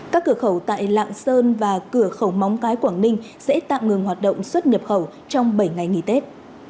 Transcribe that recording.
các cửa khẩu tại lạng sơn và cửa khẩu móng cái quảng ninh sẽ tạm ngừng hoạt động xuất nhập khẩu trong bảy ngày nghỉ tết